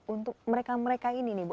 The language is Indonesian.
untuk mereka mereka ini nih bu